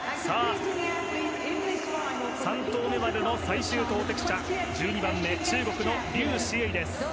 ３投目までの最終投てき者１２番目中国のリュウ・シエイです。